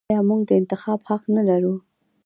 آیا موږ د انتخاب حق نلرو؟